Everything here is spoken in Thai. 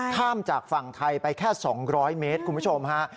ข้ามจากฝั่งไทยไปแค่๒๐๐เมตรคุณผู้ชมฮะ